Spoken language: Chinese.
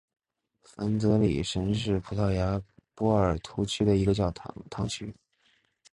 凡泽里什是葡萄牙波尔图区的一个堂区。